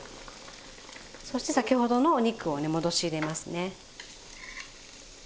そして先ほどのお肉をね戻し入れますね。